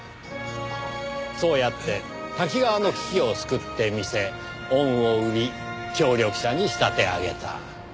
そうやって瀧川の危機を救ってみせ恩を売り協力者に仕立て上げた。